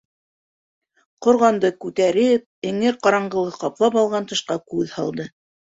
Ҡорғанды күтәреп, эңер ҡараңғылығы ҡаплап алған тышҡа күҙ һалды.